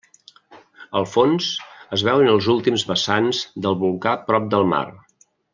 Al fons es veuen els últims vessants del volcà prop del mar.